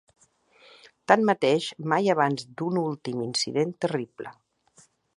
Tanmateix, mai abans d’un últim incident terrible.